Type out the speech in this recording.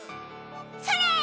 それ！